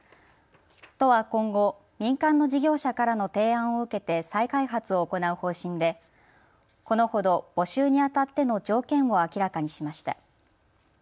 都は今後、民間の事業者からの提案を受けて再開発を行う方針でこのほど募集にあたっての条件を明らかにしました。